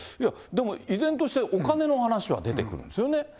でも、依然として、お金の話は出てくるんですよね。